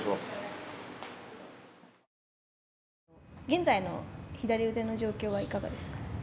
現在の左腕の状況はいかがですか。